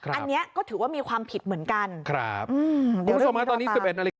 อันนี้ก็ถือว่ามีความผิดเหมือนกันครับ